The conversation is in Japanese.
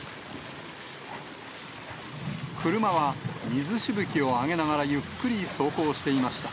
車は水しぶきを上げながら、ゆっくり走行していました。